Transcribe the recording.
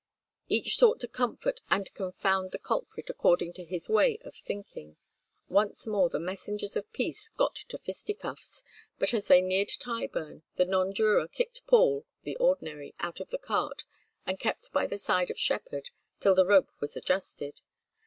Each sought to comfort and confound the culprit according to his way of thinking. Once more the messengers of peace got to fisticuffs, but as they neared Tyburn the nonjuror kicked Paul (the ordinary) out of the cart, and kept by the side of Sheppard till the rope was adjusted.